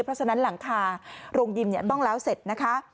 เพราะฉะนั้นหลังคาโรงยิมต้องแล้วเสร็จนะคะ